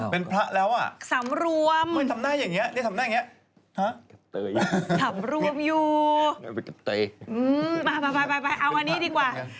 เป็นพระแล้วอ่ะทำหน้าอย่างนี้สำรวมอยู่มาเอาอันนี้ดีกว่า